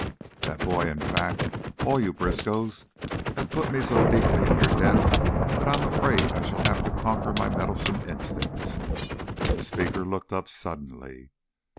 That boy, in fact all you Briskows, have put me so deeply in your debt that I'm afraid I shall have to conquer my meddlesome instincts." The speaker looked up suddenly.